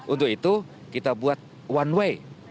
untuk itu kita buat one way